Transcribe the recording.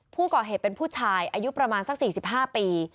ผู้ก่อเหตุเป็นผู้ชายอายุประมาณสัก๔๕ปี